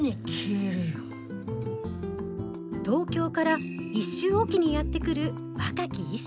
東京から１週置きにやって来る若き医師。